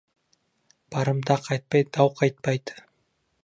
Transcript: Барымта қайтпай, дау қайтпайды.